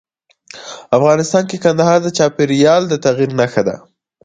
افغانستان کې کندهار د چاپېریال د تغیر نښه ده.